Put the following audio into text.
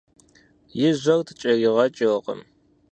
И жьэр ткӀэригъэкӀыркъым.